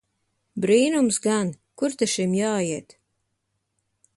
Brīnums gan! Kur ta šim jāiet!